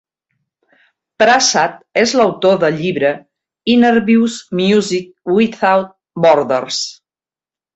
Prasad és l'autor del llibre "Innerviews: Music Without Borders".